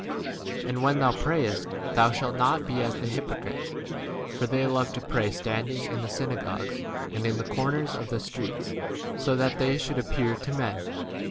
d 5 And when thou prayest, thou e shalt not be as the hypocrites ; for they love to pray standing in the synagogues and in the corners of the streets, so that they should appear to men.